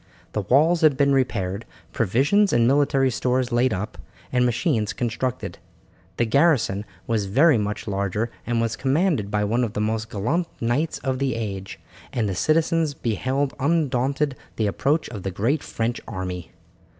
The walls had been repaired, provisions and military stores laid up, and machines constructed. The garrison was very much larger, and was commanded by one of the most gallant knights of the age, and the citizens beheld undaunted the approach of the great French army.